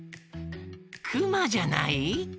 クマじゃない？